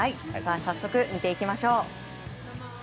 早速見ていきましょう。